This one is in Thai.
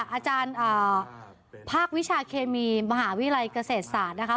อาจารย์ภาควิชาเคมีมหาวิทยาลัยเกษตรศาสตร์นะคะ